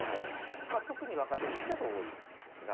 特に若手棋士だと多い感じですが。